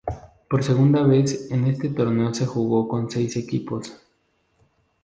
Por segunda vez en este torneo se jugó con seis equipos.